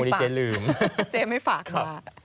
วันนี้เจ๊ลืมเจ๊ไม่ฝากค่ะ